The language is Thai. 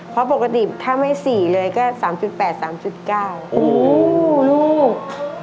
เพราะปกติถ้าไม่สี่เลยก็สามจุดแปดสามจุดเก้าโอ้โหลูก